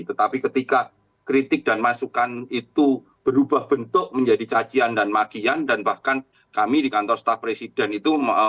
tetapi ketika kritik dan masukan itu berubah bentuk menjadi cacian dan makian dan bahkan kami di kantor staf presiden itu